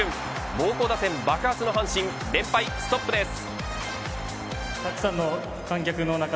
猛虎打線爆発の阪神連敗ストップです。